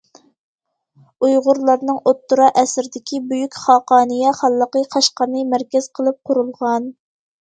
ئۇيغۇرلارنىڭ ئوتتۇرا ئەسىردىكى بۈيۈك خاقانىيە خانلىقى قەشقەرنى مەركەز قىلىپ قۇرۇلغان.